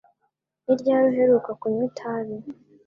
Ni ryari uheruka kunywa itabi?